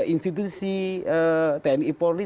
institusi tni polri